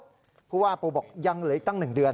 เพราะว่าปูบอกยังเหลืออีกตั้ง๑เดือน